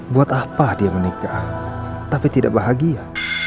buat apa dia menikah tapi tidak bahagia